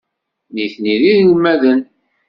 Nitni d inelmaden.